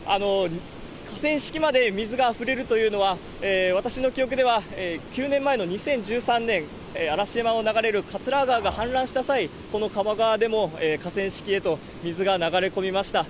河川敷まで水があふれるというのは、私の記憶では９年前の２０１３年、嵐山を流れる桂川が氾濫した際、この鴨川でも河川敷へと水が流れ込みました。